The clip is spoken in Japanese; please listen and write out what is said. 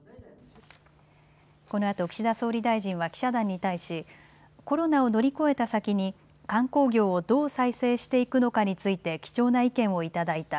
このあと岸田総理大臣は記者団に対しコロナを乗り越えた先に観光業をどう再生していくのかについて貴重な意見をいただいた。